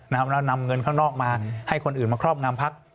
แล้วนำเงินข้างนอกมาให้คนอื่นมาครอบงำพัก